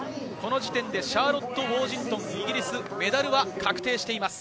この時点でシャーロット・ウォージントン、メダルが確定しています。